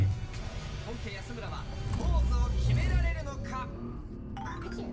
本家安村はポーズを決められるのか？